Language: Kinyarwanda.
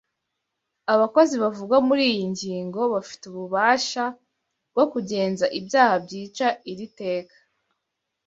Abakozi bavugwa muri iyi ngingo bafite ububasha bwo kugenza ibyaha byica iri teka